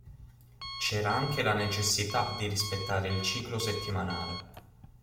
C'era anche la necessità di rispettare il ciclo settimanale.